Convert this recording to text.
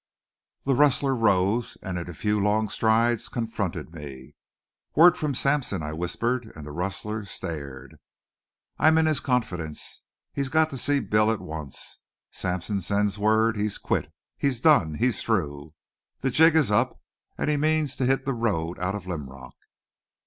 The rustler rose, and in a few long strides confronted me. "Word from Sampson!" I whispered, and the rustler stared. "I'm in his confidence. He's got to see Bill at once. Sampson sends word he's quit he's done he's through. The jig is up, and he means to hit the road out of Linrock."